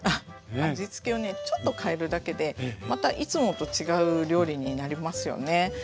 味付けをねちょっと変えるだけでまたいつもと違う料理になりますよね。